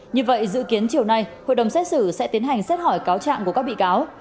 như vậy dự kiến chiều nay hội đồng xét xử sẽ tiến hành xét hỏi cáo trạng của các bị cáo